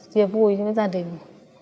chia vui với gia đình